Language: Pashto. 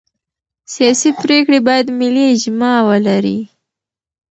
سیاسي پرېکړې باید ملي اجماع ولري